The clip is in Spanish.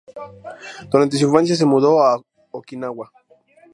Durante su infancia, se mudó a Okinawa.